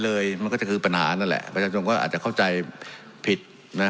มันก็จะคือปัญหานั่นแหละประชาชนก็อาจจะเข้าใจผิดนะ